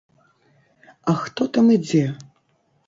А хто там ідзе?